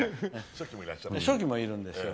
初期もいるんですよ。